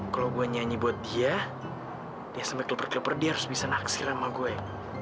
kalau gue nyanyi buat dia ya sampai keluper kelper dia harus bisa naksir sama gue